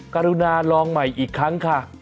กรุณาลองใหม่อีกครั้งค่ะ